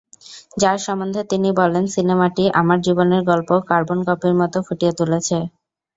যার সমন্ধে তিনি বলেন "সিনেমাটি আমার জীবনের গল্প কার্বন কপির মতো ফুটিয়ে তুলেছে"।